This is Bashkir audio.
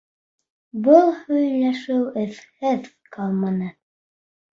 Был һөйләшеү эҙһеҙ ҡалманы.